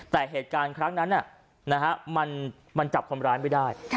แต่เหตุการณ์ครั้งนั้นมันจับคนร้ายไม่ได้